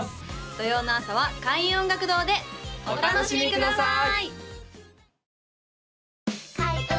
土曜の朝は開運音楽堂でお楽しみください！